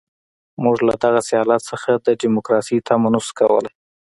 موږ له دغسې حالت څخه د ډیموکراسۍ تمه نه شو کولای.